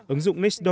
ứng dụng nextdoor